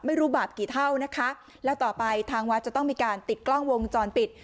ไม่รู้บาปกี่เท่านะคะแล้วต่อไปทางวัดจะต้องมีการติดกล้องวงจรปิด